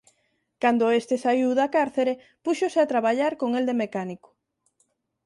Cando este saíu da cárcere púxose a traballar con el de mecánico.